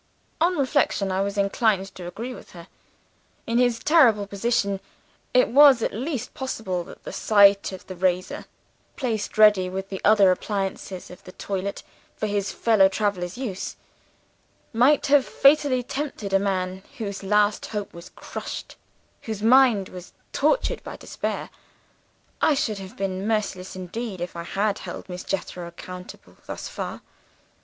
"On reflection, I was inclined to agree with her. In his terrible position, it was at least possible that the sight of the razor (placed ready, with the other appliances of the toilet, for his fellow traveler's use) might have fatally tempted a man whose last hope was crushed, whose mind was tortured by despair. I should have been merciless indeed, if I had held Miss Jethro accountable thus far.